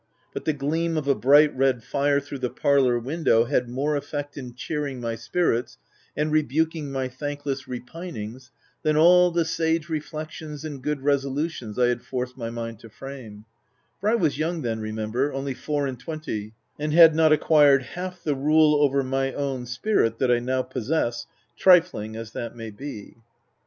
But the gleam of a bright red fire through the parlour window, had more effect in cheering my spirits, and re buking my thankless repinings, than all the sage reflections and good resolutions I had forced my mind to frame ;— for I was young then, remember— only four and twenty— and had not acquired half the rule over my own spirit, that I now possess — trifling as that may be.